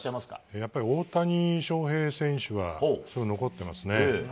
やっぱり大谷翔平選手がすごい残ってますね。